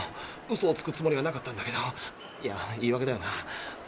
ウソをつくつもりはなかったんだけど。いや言い訳だよな。